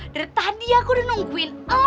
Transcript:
dari tadi aku udah nungguin